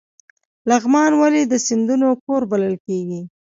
لغمان ولې د سیندونو کور بلل کیږي؟